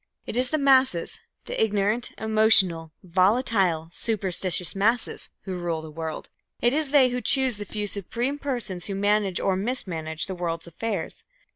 It is the masses the ignorant, emotional, volatile, superstitious masses who rule the world. It is they who choose the few supreme persons who manage or mismanage the world's affairs.